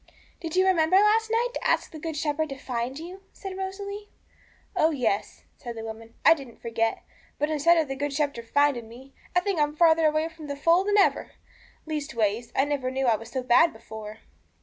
'Did you remember last night to ask the Good Shepherd to find you,' said Rosalie. 'Oh yes,' said the woman, 'I didn't forget; but instead of the Good Shepherd finding me, I think I'm farther away from the fold than ever; leastways, I never knew I was so bad before.'